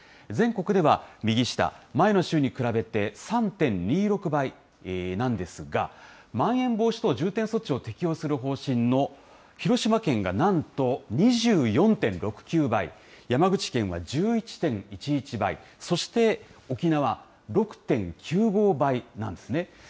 全国では右下、前の週に比べて３．２６倍なんですが、まん延防止等重点措置を適用する方針の広島県がなんと２４．６９倍、山口県は１１．１１倍、そして沖縄６．９５倍なんですね。